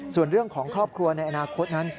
ส่วนเรื่องของครอบครัวในอนาคตนั้น